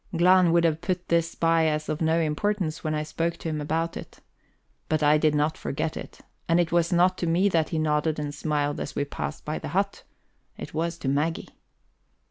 Glahn would have put this by as of no importance when I spoke to him about it. But I did not forget it. And it was not to me that he nodded and smiled as we passed by the hut! it was to Maggie.